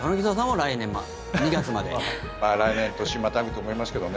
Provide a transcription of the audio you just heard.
来年、年またぐと思いますけどね。